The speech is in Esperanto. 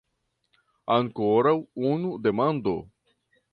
Ankoraŭ unu demando!